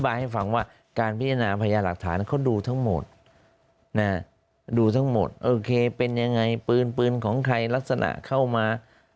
ให้ฟังว่าการพิจารณาพยาหลักฐานเขาดูทั้งหมดดูทั้งหมดโอเคเป็นยังไงปืนปืนของใครลักษณะเข้ามา